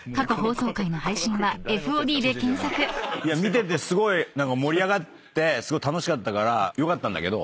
見ててすごい盛り上がってすごい楽しかったからよかったんだけど。